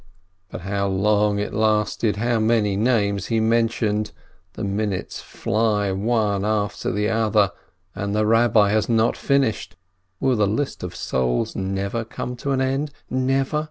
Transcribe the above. But how long it lasted! How many names he men tioned ! The minutes fly one after the other, and the Rabbi has not finished ! Will the list of souls never come to an end ? Never